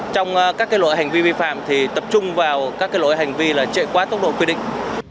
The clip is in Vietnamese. trong các lỗi hành vi vi phạm thì tập trung vào các lỗi hành vi là chạy quá tốc độ quy định